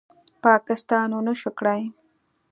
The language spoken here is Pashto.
پاکستان ونشو کړې